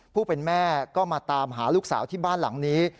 ผู้เป็นแม่ก็มาตามหาลูกสาวที่บ้านหลังนี้